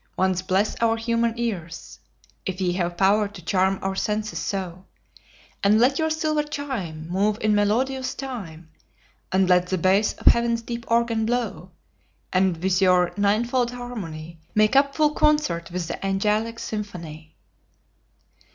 Once bless our human ears (If ye have power to charm our senses so); And let your silver chime Move in melodious time, And let the base of Heaven's deep organ blow; And with your ninefold harmony Make up full concert with the angelic symphony."